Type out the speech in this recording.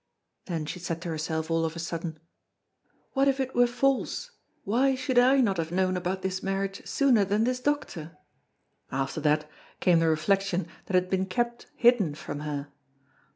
Then she said to herself all of a sudden: "What if it were false? Why should I not have known about his marriage sooner than this doctor?" After that, came the reflection that it had been kept hidden from her.